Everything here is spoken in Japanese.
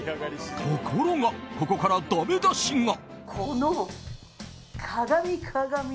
ところが、ここからだめ出しが。